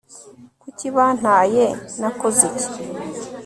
kuki bantaye, nakoze iki